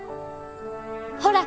ほら。